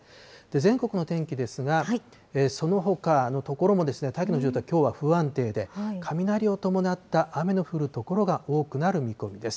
全国の天気ですが、そのほかの所も大気の状態、きょうは不安定で、雷を伴った雨の降る所が多くなる見込みです。